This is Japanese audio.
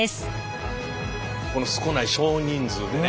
この少ない少人数でね